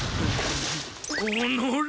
おのれ！